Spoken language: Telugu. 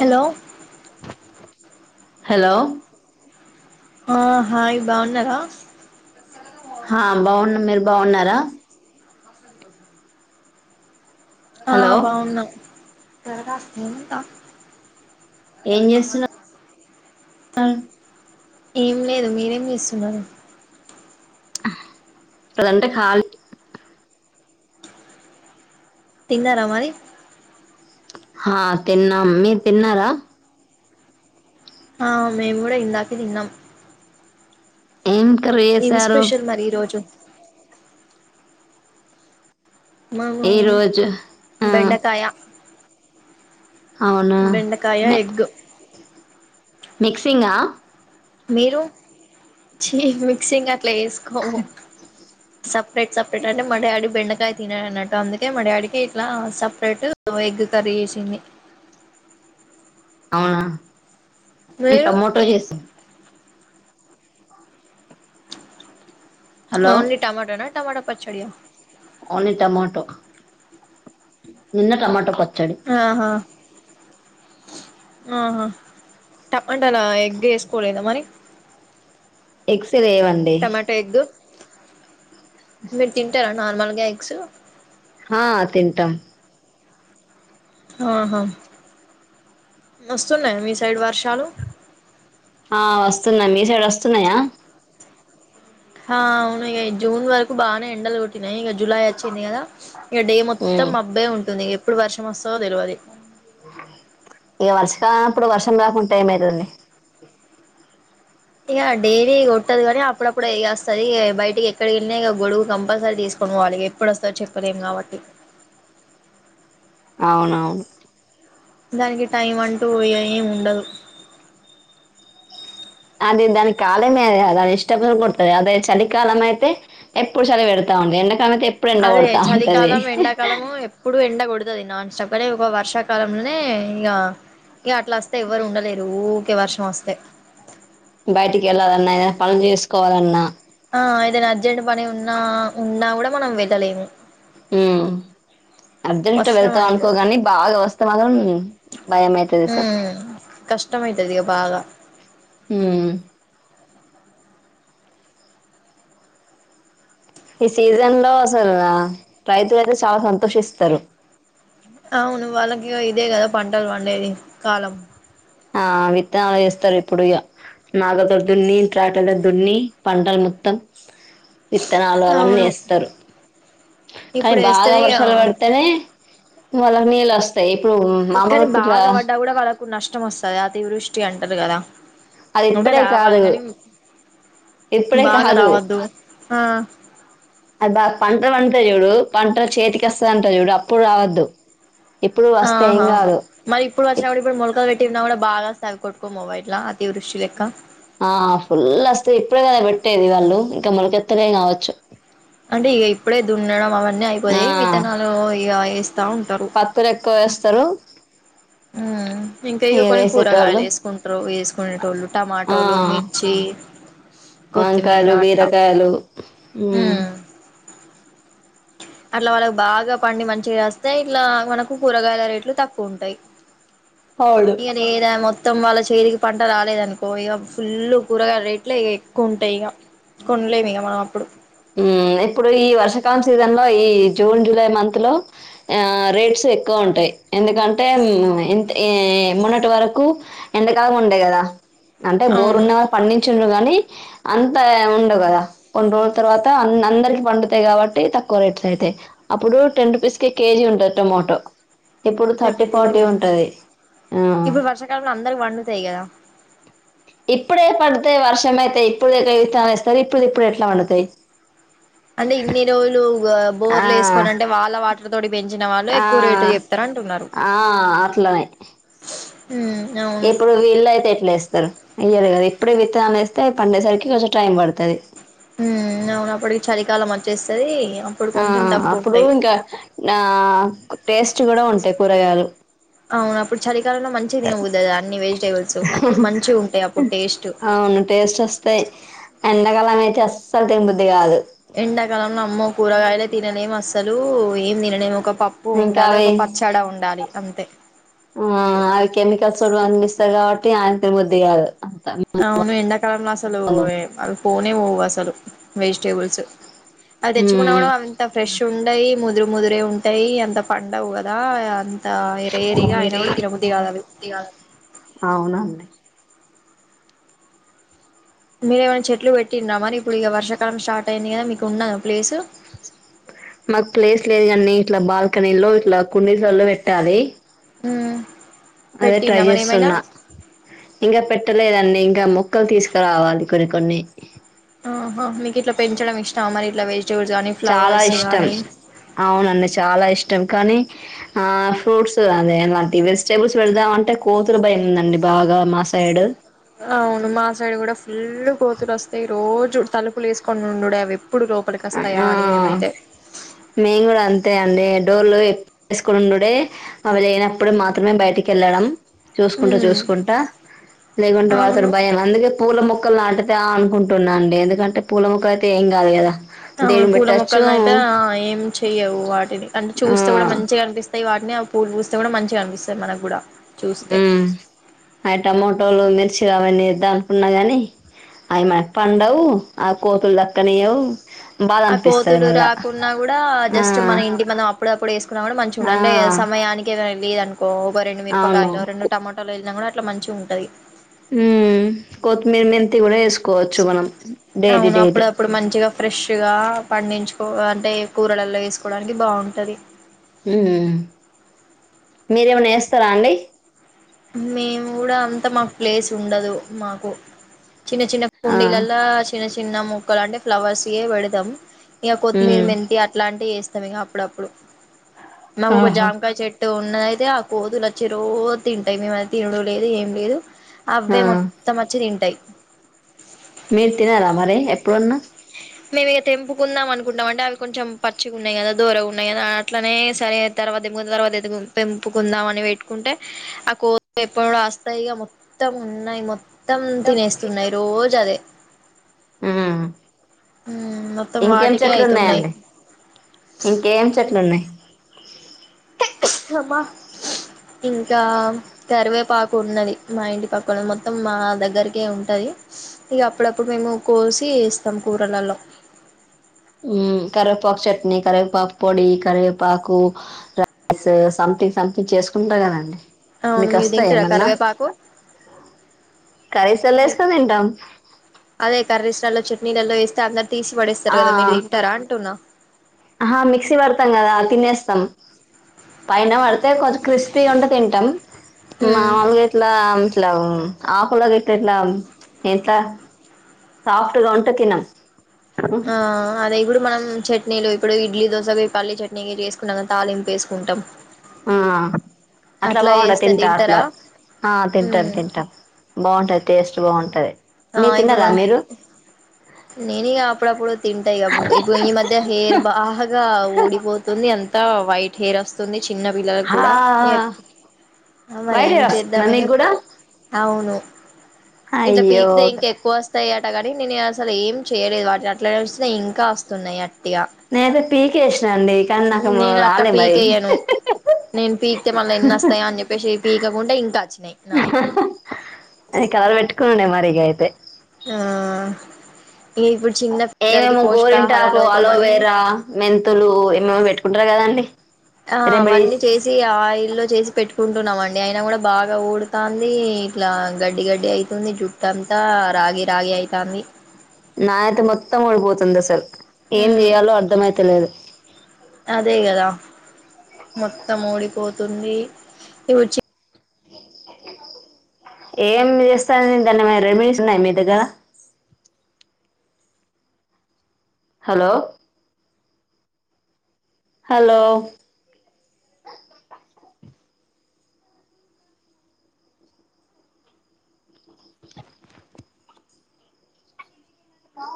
హలో హలో ఆ హాయ్ బాగున్నారా? హా బాగున్నా. మీరు బాగున్నారా? అసలు వద్దు ఆ హలో బాగున్నాము. త్వరగా స్నేహితా అ ఏం లేదు. మీరేం చేస్తున్నారు? అదంటే ఖాళీ తిన్నారా మరి? హా తిన్నాం. మీరు తిన్నారా? ఆ మేము కూడా ఇందాకే తిన్నాం. ఏం కర్రీ ఏం చేసారు. స్పెషల్ మరి ఈ రోజు. మనం ఈ రోజు ఆ బెండకాయ అవునా బెండకాయ మి కర్రీ ఎగ్ మిక్సింగా మీరు? ఛీ మిక్సింగ్ అట్లా చేసుకోము సపరేట్ సపరేట్ అంటే మాడాడీ కి బెండకాయ తినడు అన్నట్టు అందుకే మాడాడికి ఇట్లా సపరేట్ ఓ ఎగ్ కర్రీ చేేసింది. అవునా, మేము మీరు టమోటో చేసి హలో ఓన్లీ టమాటానా? టమాటా పచ్చడియా? ఓన్లీ టమాటో, నిన్న టమాటో పచ్చడి. ఆహా ఆహా! టమాటా లో ఎగ్ వేసుకోలేదా మరి? ఎగ్స్ తేమను టమాటో ఎగ్ మీరు తింటారా నార్మల్గా ఎగ్స్? హా తింటాం. ఆహా! వస్తున్నాయా మీ సైడ్ వర్షాలు. ఆ వస్తున్నాయి. మీ సైడ్ వస్తున్నాయా? ఆ అవును, ఇగ జూన్ వరకు బానే ఎండలు కొట్టినాయి ఇక జులై వచ్చింది కదా ఇక డే మొత్తం ఉమ్ మబ్బే ఉంటుంది. ఇక ఎప్పుడు వర్షం వస్తాదో తెలవదు. ఇక వర్షాకాలం మప్పుడు వర్షం రాకుంంటే ఏమయితాది లే ఇక డైలీ కొట్టదు గానీ అప్పుడప్పుడు ఇగ వస్తాది బయటికి ఎక్కడికి వెళ్లినా ఇక గొడుగు కంపల్సరీ తీసుకొని పోవాలి ఇగ. ఇప్పుడు వస్తాదో చెప్ప లేం కాబట్టి. అవునవును దానికి టైం అంటూ ఏమి ఉండదు. అది దాని కాలమే అది దాని ఇష్ట కొడతాది అదే చలికాలం అయితే ఎప్పుడు చలి పెడతాఉంది. ఎండా కాలం అయితే ఎప్పుడు ఎండ అదే కొడతా ఉంటది చలికాలం, ఎండాకాలము. ఎప్పుడూ ఎండ కొడుతాది నాన్ స్టాప్గానే ఒక వర్షాకాలంలోనే ఇగ ఇక అట్లా వస్తే ఎవ్వరు ఉండలేరు ఊరికే వర్షం వస్తే బయటికి వెళ్ళాలన్నా, ఏదన్నా పనులు చేసుకోవాలన్నా ఆ ఏదైనా అర్జెంట్ పని ఉన్నా, ఉన్నా కూడా మనం వెళ్ళలేము. మ్ అర్జెంట్ వర్షం వెళ్తాం అనేది అనుకోగాని బాగా వస్తే మాత్రం భయ అవుతాది. మ్ హు హూ కష్ట కష్టం అవుతాది బాగా మ్ ఈ సీజన్ లో అసలు రైతులు అయితే చాలా సంతోషిస్తారు. అవును వాళ్ళకి ఇదే కదా పంటలు పండేది కాలం ఆ విత్తనాలు వేస్తారు ఇప్పుడు ఇక నాగల్ తో దున్ని ట్రాక్టర్ తో దున్ని పంటల మొత్తం విత్తనాలు అవన్నీ అవును వేస్తారు. కానీ ఇప్పుడు బాగా వేస్తేనే ఇగ వర్షాలు పడితేనే వాళ్లకు నీళ్ళు వస్తాయి. ఇప్పుడు మ [unintelligible] కదా ఇప్పుడు నష్టం వస్తాది. అతివృష్టి అంటారు కదా అది అంటే ఇప్పుడే రావాలి కాదు కానీ ఇప్పుడే బాగా కాదు రావద్దు ఆ అది బాగా పంటలు పండుతాయి చూడు పంట చేతికి వస్తాది అంట చూడు అప్పుడు రావద్దు. ఇప్పుడు వస్తే ఏం ఆహా కాదు మరి ఇప్పుడు వర్షాలు వచ్చినా కూడా ఇప్పుడు మొలకలు పెట్టినా కూడా బాగా వస్తే కొట్టుకోని పోవా ఇట్టా అతివృష్టి లెక్క ఆ ఫుల్ వస్తే ఇప్పుడే కదా పెట్టేది వాళ్ళు ఇంకా మొలకెత్తలే కావచ్చు. అంటే ఇక ఇప్పుడే దున్నడం అవన్నీ ఆ అయిపోయి విత్తనాలు ఇగ వేస్తా ఉంటారు. వారి ఎక్కువ వేస్తారు. మ్ ఇంకయు ఇక కొన్ని వేసేటోళ్ళు కూరగాయలు వేసుకుంటారు వేసుకునేటోళ్ళు ఆ టమాటోలు, మిర్చి కొత్తిమీర వంకాయలు అట్లా బీరకాయలు ఉమ్ అట్లా వాళ్ళకి బాగా పండి మంచిగా రాస్తే ఇట్లా మనకు కూరగాయల రేట్లు తక్కువ ఉంటాయి అవును ఇ ఏద మొత్తం వాళ్ళ చేతికి పంట రాలేదనుకో ఇగ ఫుల్ కూరగాయల రేట్లు ఎక్కువ ఉంటాయి ఇగ కొనలేమిగ మనం అప్పుడు ఇప్పుడు ఈ వర్షాకాలం సీజన్ లో ఈ జూన్ జూలై మంత్ లో ఆ రేట్స్ ఎక్కువ ఉంటాయి ఎందుకంటే ఇంత్ మొన్నటి వరకు ఎండ కాలం ఉండే కదా అంటే బోరు అవును ఉన్న పండించుండ్రు గానీ అంత ఉండ కదా కొన్ని రోజు తర్వాత అన్ అందరికి పండుతాయి కాబట్టి తక్కువ రేట్స్ అయితాయి అప్పుడు టెన్ రూపీస్ కె కేజీ ఉంటది టొమాటో ఇప్పుడు థర్టీ ఎప్పుడు ఫార్టీ ఉంటది ఆ ఇగ అందరుకి పండుతాయి కదా ఇప్పుడే పడుతాయి వర్షం అయితే ఇప్పుడు కవితన్ని వస్తారు ఇప్పుడు ఇప్పుడు ఎట్లా పడుతాయి అంటే ఇన్ని రోజులు ఆ! బోర్లు వేసుకోని అంటే వాళ్ళ వా తోటి పెంచిన వాళ్ళు ఆ ఎక్కువ రేటు చెప్తారు అంటున్నారు ఆ అట్లనే హ్మ్ అవును వీల్ళ అయితే ఎట్లా చేస్తారు అయ్యరు కదా ఇప్పుడే విత్తనాలు వేస్తే పండేసరికి కొంచెం టైం పడుతది హ్మ్ అవునప్పటికి చలికాలం వచ్చేస్తది అప్పుడు కొంచెం తక్కువ ఉంటాయి నా టేస్ట్ కూడా ఉంటాయి కూరగాయలు అవును అప్పుడు చలికాలంలో మంచితినబుద్దాయితది అన్ని వెజిటేబుల్స్ మంచి ఉంటాయి అప్పుడు టేస్ట్ అవును టేస్ట్ వస్త్ స్తయ్ ఎండకాలం అయితే అస్సలు తినబుద్ది కాదు ఎండాకాలంలో అమ్మో కూరగాయలే తినలేం అస్సలు ఏం తినలేము ఒక పప్ పప్పు ఇంకా ఉండాలి అవి ఒక పచ్చడి ఉండాలి అంతే ఆ అవి కెమికల్స్ అందిపిస్తారు కాబట్టి ఆయన తినబుద్ది కాదు అంత అవును ఎండాకాలం లో అసలు అ పోనే పోవు అసలు వెజిటేబుల్స్ అది తెచ్చకున్నా మ్మ్ కూడా అంత ఫ్రెష్ ఉండయి ముదురు ముదురే ఉంటాయి అంత పండవు కదా అంత వేడిగా అయిన కూడా తినబుద్దిగాదవి ఇగ అవునండి మీరేమైనా చెట్లు పెట్టిన్నా మరి ఇప్పుడు ఇక వర్షకాలం స్టార్ట్ అయింది కదా మీకు ఉన్నదా ప్లేసు మాకు ప్లేస్ లేదు కాని ఇట్లా బాల్కనీలో ఇట్లా కుండీలల్లో పెట్టాలి హ్మ్ అదే ట్రై చేస్తున్నా ఇంకా పెట్టలేదండి ఇంకా మొక్కలు తీసుకురావాలి కొన్ని కొన్ని ఆహా మీకు ఇట్లా పెంచడం ఇష్టమా మరి ఇట్లా వెజిటేబుల్స్ కానీ చాలా ఫ్లవర్స్ ఇష్టం కానీ అవునండి చాలా ఇష్టం కానీ ఆ ఫ్రూట్స్ అదే ఎలాంటి టేబుల్స్ పెడదాం అంటే కోతులు భయం ఉందండి బాగా మా సైడ్ అవును మా సైడ్ కూడా ఫుల్ కోతులు వస్తాయి రోజు తలుపులు వేసుకొని ఉండు అవి ఎప్పుడు లో అప్పటికి వస్తాయా అని మేమైతే మేం కూడా అంతే అండి డోర్లు వేసుకు ఉండుడే అవి లేనప్పుడు మాత్రమే బయటికి వెళ్ళడం చూసుకుంటా ఉమ్ చూసుకుంటా లేకుంటే వాళ్ళతో అవును భయం అందుకే పూల మొక్కలు నాటితే అనుకుంటున్నా అండి ఎందుకంటే పూల మొక్కలు అయితే ఏం కాదు కదా అవును దేవునికి పూల పెట్టచ్చు మొక్కలని అయితే ఏం చెయ్యవు వాటిని అంటే ఆ చూస్తే కూడా మంచిగా అనిపిస్తుంది ఇక వాటినేపూలు పూస్తే కూడా మంచిగా అనిపిస్తంది మనకు కూడ హ్మ్మ్ అ టమాటోలు మిర్చి అవన్నీ లేదా ఏద్దాంఅనుకున్నా గాని అయ మరీ పండవు ఆ కోతులు దక్కనయ్యవు ఆ కోతులు రాకుండా కూడా ఆ జస్ట్ మన ఇంటి మనం అప్పుడప్పుడు వేసుకున్నా కూడా మంచిగా ఉంటంది ఆ అంటే సమయానికి ఏదో ఎండి అనుకో ఒక రెండు అవును మిరపకాయలు రెండు టొమాటోలో వెళ్ళినా కూడా అట్లా మంచి ఉంటది హ్మ్మ్ కొత్తిమీర మెంతి కూడా వేసుకోవచ్చు మనం డైలీ డైలీ ఇప్పుడు మంచిగా ఫ్రెష్గా పండించుకో అంటే ఎక్కువ కూరలల్లో వేసుకోవడానికి బాగుంటుంది హ్మ్మ్ మీరేమైనా వేస్తారా అండి మేము కూడా అంత మాకు ప్లేస్ ఉండదు మాకు చిన్న చిన్న ఆ కుండీలలో చిన్న చిన్న మొక్కలు అంటే ఫ్లవర్స్య పెడతాం ఇక కొత్తిమీర ఉమ్ మెంతి అట్లాంటివి ఏస్తాం ఇక అప్పుడప్పుడు మాకు ఒక ఆహా జామకాయ చెట్టు అ ఉన్నయితే ఆ కోతులు వచ్చ రోజ తింటాయి మేమ తినడం లేదు ఏం లేదు అవ్వే ఆ మొత్తం వచ్చి తింటాయి మీరు తినారమరి ఎప్పుడన్నా మేము ఇక తెంపుకుందాం అనుకుంటాం అంటే అవి కొంచెం పచ్చిగా ఉన్నాయి కదా ద్వారగ ఉన్నాయి కదా అట్లనే సరే తర్వాతన్న తర్వాత తెంపుకుందాం అని పెట్టుకుంటే ఆ కోతిఎప్పుడు వస్తాయో మొత్తం ఉన్నాయి మొత్తం తినేస్తున్నాయి రోజు అదే హ్మ్మ్ మొత్తం ఇంకేం వాటికే చెట్లు అయితున్నాయి ఉన్నాయండి ఇంకేం చెట్లు ఉన్నాయి ఇస్అమ్మ ఇంకా కరివేపాకు ఉన్నది మా ఇంటి పక్కన మొత్తం మా దగ్గరకే ఉంటది ఇక అప్పుడప్పుడు మేము కోసి వేస్తాం కూరలలో కరివేపాకు చట్నీ కరివేపాకు పొడి కరివేపాకు రైస్ సంథింగ్ సంథింగ్ చేసుకుంటా కదండి అవును మీకు మీరు వస్తా తింటారా ఏమన్నా కరివేపాకు కర్రీస్రాల్లో వేసుకు తింటాం అదే కర్రీస్రాల్లో చట్నీలల్లో వేస్తే అందరు తీసి పడేస్తారు ఆ కదా మీరు తింటారా అంటున్నా ఆహా మిక్సీ పడతాం కదా తినేస్తాం పైన పడతా అటె కొంచం క్రిస్పీగా ఉంటే తింటాం మా ఉమ్ వాళ్లు అయితే ఇట్లా మల ఆకడాతే ఇట్లా ఎట్లా [unintelligible] ఆకులుగా ఉంటే తిను అవునా ఆ అదే ఇప్పుడు మనం చట్నీలో ఇప్పుడు ఇడ్లీ దోశగా అవి పల్లీ చట్నీగా చేేసుకున్నాంక తాలింపు వేసుకుంటాం ఆ అట్లా బాగుండ వేస్తే తింటా తింటారా అట్లా ఆ తింటాం ఉమ్ తింటాం బావుంటాది టేస్ట్ బావుంటాది ఆ ఇప్పుడు మన నేనయ్యే అప్పుడు అప్పుడు తింటాయి ఇప్పుడు ఈ మధ్య ఇదే హెయిర్ బాగా ఊడిపోతుంది అంతా వైట్ హెయివస్తుంది చిన్న పిల్లలలకు హా కూడా ఏక్ మరి వైట్ ఏం హెయిర్ వస్తుందా చేద్దాం మీకు ఇకా కూడా అవును ఇంట్లా అయ్యో పీకుతే ఇంకే ఎక్కువ వస్తాయి అట కాని నేను అసలు ఏం చేయలేదు వాటిని అట్లానే విడిసినఇంకా వస్తున్నాయి అట్టిగా నేనయితే పీకేసిన అండి కానీ నాకు నేను అట్లా రాలే మరి పీకేయను నేను పీకితే మళ్ళా ఎన్ని వస్తాయా అని చెప్పేసి పీకకుంటే ఇంకా వచ్చినాయి నాకు అది కవర్ పెట్టుకోనుండా మరి ఇక అయితే ఆ ఇప్పుడు చిన్న పిల్లలకి ఏమేమో పోషకాహార గోరింటాకు, లోపమని అలోవేరా మెంతులు ఏమేమో పెట్టుకుంటారు కదండి. ఆ అవన్నీ రెమెడీస్ చేసి తెచ్చిఆయిల్లోచేసి పెట్టుకుంటున్నాం అండి అయినా కూడా బాగా ఊడుతాంది ఇట్లా గడ్డి గడ్డి అయి ఉన్ని జుట్టు అంతా రాగి రాగి అయితాంది. నావి అయితేమొత్తం ఊడిపోతుంది అసలు ఏం ఉమ్ చేయాలో అర్థమయితాలేదు. అదే కదా మొత్తం ఓడిపోతుంది. ఇవి వచ్చి అ ఏం చేస్తాను దాన్ని రెమెడీస్ ఉన్నాయ మీ దగ్గర హలో హలో అ